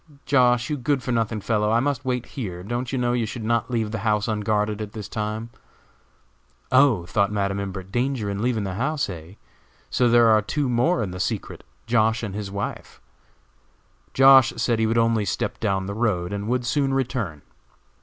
"Josh., you good for nothing fellow. You must wait here; don't you know you should not leave the house unguarded at this time?" "Oh!" thought Madam Imbert, "danger in leaving the house, eh! So there are two more in the secret, Josh. and his wife!" Josh. said he would only step down the road, and would soon return.